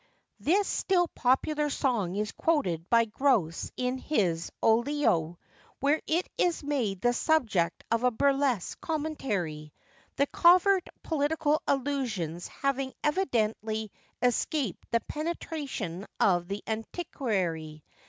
[THIS still popular song is quoted by Grose in his Olio, where it is made the subject of a burlesque commentary, the covert political allusions having evidently escaped the penetration of the antiquary.